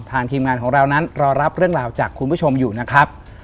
ทีมงานของเรานั้นรอรับเรื่องราวจากคุณผู้ชมอยู่นะครับ